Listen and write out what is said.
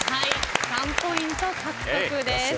３ポイント獲得です。